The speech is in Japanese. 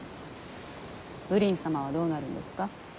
ウリン様はどうなるんですか。